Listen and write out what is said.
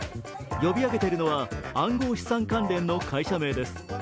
呼び上げているのは暗号資産関連の会社名です。